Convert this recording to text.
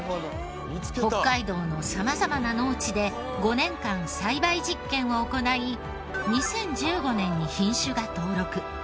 北海道の様々な農地で５年間栽培実験を行い２０１５年に品種が登録。